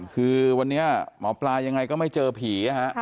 คือวันนี้หมอปลายังไงก็ไม่เจอผี